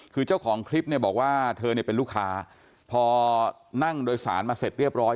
คือเจ้าของคลิปเนี่ยบอกว่าเธอเนี่ยเป็นลูกค้าพอนั่งโดยสารมาเสร็จเรียบร้อย